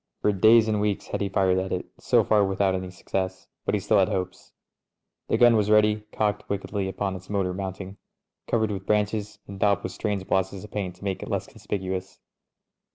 For days and weeks had he fired at it, so far without any success^ but he still had hopes. The gun was ready, cocked wickedly upon its motor mount ing, covered with branches and daubed with strange blotches of paint to make it less conspicuous.